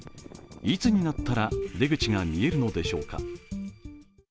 いつになったら出口が見えるのでしょうか。